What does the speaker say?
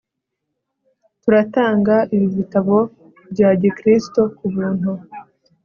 Turatanga ibi bitabo bya gikristo KUBUNTU